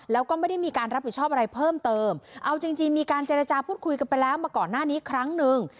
แล้วก็ไม่ได้มีการรับผิดชอบอะไรเพิ่มเติมเอาจริงจริงมีการเจรจาพูดคุยกันไปแล้วมาก่อนหน้านี้ครั้งหนึ่ง